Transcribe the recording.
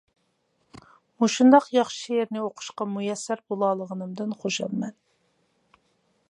مۇشۇنداق ياخشى شېئىرنى ئوقۇشقا مۇيەسسەر بولالىغىنىمدىن خۇشالمەن.